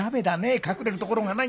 隠れるところがない。